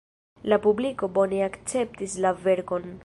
La publiko bone akceptis la verkon.